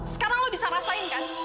sekarang lo bisa rasain kan